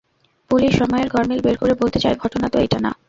Police সময়ের গরমিল বের করে বলতে চায়, ঘটনা তো এইটা না।